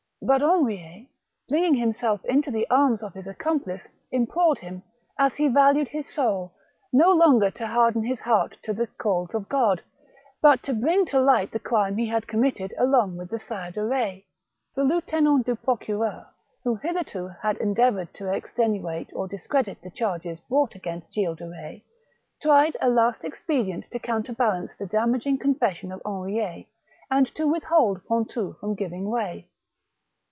But Henriet, flinging himself into the arms of his accomplice, implored him, as he valued his soul, no longer to harden his heart to the calls of God ; but to bring to light the crimes he had committed along with the Sire de Retz. The lieutenant du procureur, who hitherto had endeavoured to extenuate or discredit the charges brought against Gilles de Eetz, tried a last expedient to counterbalance the damaging confessions of Henriet, and to withhold Pontou from giving way.